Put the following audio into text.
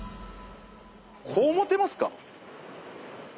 「こう持てますか？」